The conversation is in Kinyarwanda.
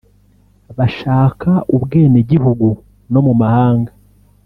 bashaka ubwene gihugu no mu mahanga